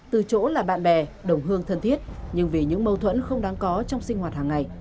từ chỗ là bạn bè đồng hương thân thiết nhưng vì những mâu thuẫn không đáng có trong sinh hoạt hàng ngày